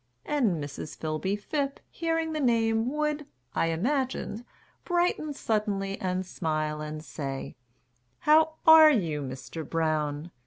And Mrs. Philby Phipp, hearing the name, Would, I imagined, brighten suddenly And smile and say, "How are you, Mr. Brown?"